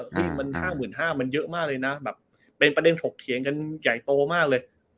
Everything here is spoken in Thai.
ที่มัน๕๕๐๐บาทมันเยอะมากเลยนะแบบเป็นประเด็นถกเถียงกันใหญ่โตมากเลย